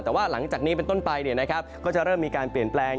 แต่ว่าหลังจากนี้เป็นต้นไปก็จะเริ่มมีการเปลี่ยนแปลง